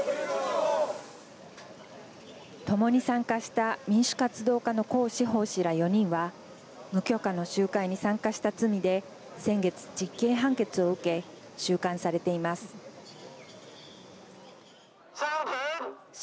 共に参加した民主活動家の黄之鋒氏ら４人は、無許可の集会に参加した罪で先月、実刑判決を受け、収監されています。